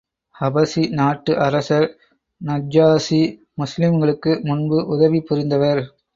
ஹபஷி நாட்டு அரசர் நஜ்ஜாஷி, முஸ்லிம்களுக்கு முன்பு உதவி புரிந்தவர்.